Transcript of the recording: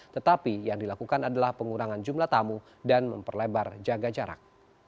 tetapi yang dilakukan adalah pengurangan jumlah tamu dan memperlebar jaga jarak